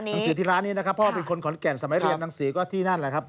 เพราะเป็นคนของแก่สมัยเรียนหนังสือที่นั่นแหละครับ